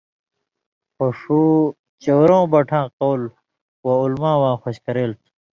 خو ݜُو چٶرٶں بَٹھاں قول وعُلما واں خوش کریل تھُو۔